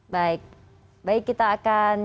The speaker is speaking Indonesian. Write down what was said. baik baik kita akan